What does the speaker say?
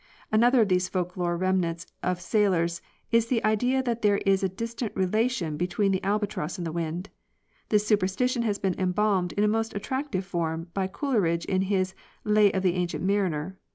Another of these folk lore remnants of sailors is the idea that there is a distinct relation between the albatross and wind. This superstition has been embalmed in most attractive form by Coleridge in his " Lay of the Ancient Mariner."